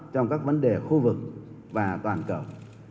trong các vấn đề khu vực và toàn cầu